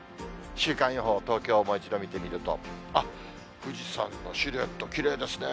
週間予報、東京をもう一度見てみると、あっ、富士山のシルエット、きれいですね。